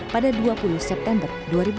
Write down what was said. pada dua puluh september dua ribu delapan belas